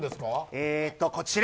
えーと、こちら。